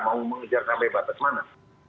mau mengejar sampai batas mana